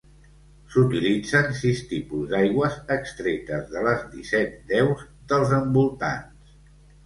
S'utilitzen sis tipus d'aigües extretes de les disset deus dels envoltants.